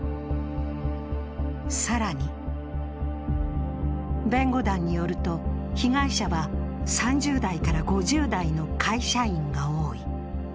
更に弁護団によると被害者は３０代から５０代の会社員が多い。